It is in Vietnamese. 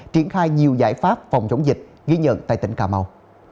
triển khai nhiều giải pháp phòng chống dịch ghi nhận tại tỉnh cà mau